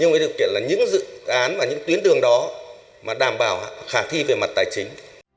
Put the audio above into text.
nhưng cái điều kiện là những dự án và những tuyến đường đó mà đảm bảo khả thi về mặt tài chính